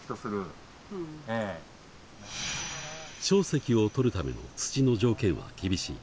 硝石を採るための土の条件は厳しい。